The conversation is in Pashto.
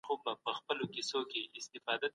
که دوی ته امنيت ورنه کړل سي، ژوند به يې خطر کي وي.